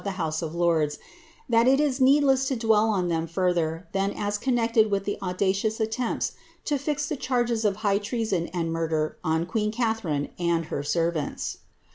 the j House of Ix)n1s, that it is neeiiless to dwell on them further than as con nected with the audacious attempts to fix the charges of high tretsoi and murder on queen Catharine and her servants.